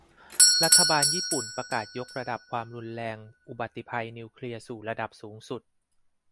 รัฐบาลญี่ปุ่นประกาศยกระดับความรุนแรงอุบัติภัยนิวเคลียร์สู่ระดับสูงสุด